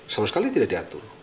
sama sekali tidak diatur